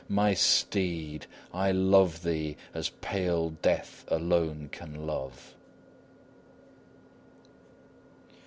My steed! I love thee as Pale Death alone can love!